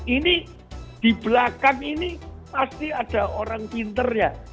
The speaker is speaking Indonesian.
ini di belakang ini pasti ada orang pinternya